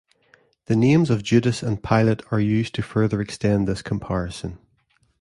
The names of Judas and Pilate are used to further extend this comparison.